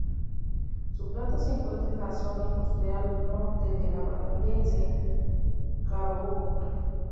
Su planta se encuentra en la Zona Industrial Norte de Valencia, Carabobo.